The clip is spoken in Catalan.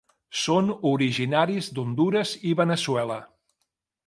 Són originaris d'Hondures i Veneçuela.